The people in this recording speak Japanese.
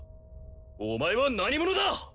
お前は何者だ！